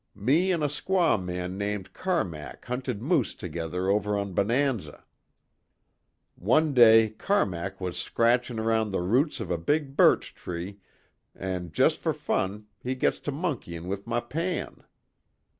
Me an' a squaw man named Carmack hunted moose together over on Bonanza. One day Carmack was scratchin' around the roots of a big birch tree an' just fer fun he gets to monkeyin' with my pan."